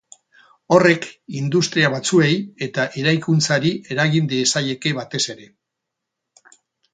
Horrek, industria batzuei eta eraikuntzari eragin diezaieke batez ere.